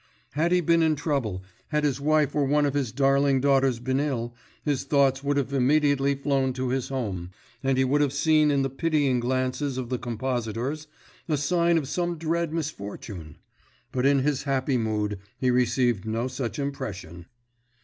Had he been in trouble, had his wife or one of his darling daughters been ill, his thoughts would have immediately flown to his home, and he would have seen in the pitying glances of the compositors a sign of some dread misfortune; but in his happy mood he received no such impression.